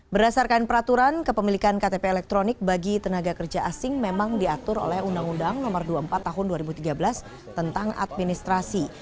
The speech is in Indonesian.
berdasarkan peraturan kepemilikan ktp elektronik bagi tenaga kerja asing memang diatur oleh undang undang no dua puluh empat tahun dua ribu tiga belas tentang administrasi